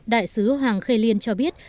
đại sứ hoàng khê liên cho biết